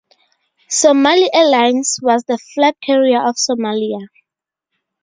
Somali Airlines was the flag carrier of Somalia.